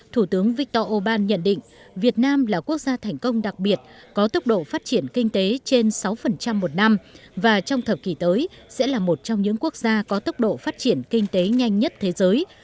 thủ tướng viktor orbán nhận định việt nam là quốc gia thành công đặc biệt có tốc độ phát triển kinh tế trên sáu một năm và trong thập kỷ tới sẽ là một trong những quốc gia có tốc độ phát triển kinh tế nhanh nhất thế giới